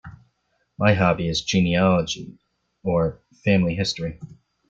My hobby is genealogy, or family history.